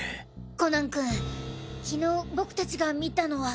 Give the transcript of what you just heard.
コナン君昨日僕達が見たのは。